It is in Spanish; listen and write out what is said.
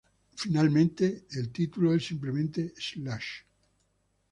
Finalmente el título es simplemente "Slash".